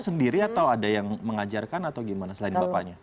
sendiri atau ada yang mengajarkan atau gimana selain bapaknya